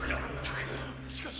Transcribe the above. しかし。